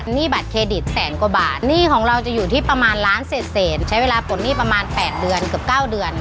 หนี้บัตรเครดิตแสนกว่าบาทหนี้ของเราจะอยู่ที่ประมาณล้านเศษใช้เวลาปลดหนี้ประมาณ๘เดือนเกือบ๙เดือน